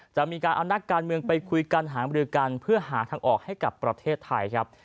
จะมีการเอานักการเมืองไปคุยกันหามรือกันเพื่อหาทางออกให้กับประเทศไทยครับ